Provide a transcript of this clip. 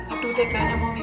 aduh teganya mami